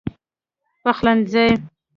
پخلنځی